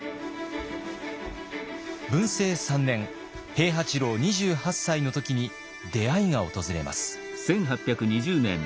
文政３年平八郎２８歳の時に出会いが訪れます。